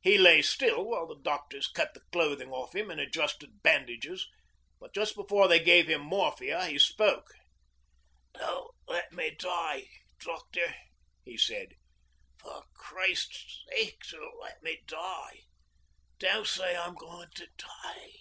He lay still while the doctors cut the clothing off him and adjusted bandages, but just before they gave him morphia he spoke. 'Don't let me die, doctor,' he said; 'for Christ's sake, don't let me die. Don't say I'm going to die.'